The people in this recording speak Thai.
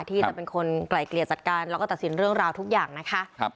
ที่จะเป็นคนไกลเกลี่ยจัดการแล้วก็ตัดสินเรื่องราวทุกอย่างนะคะ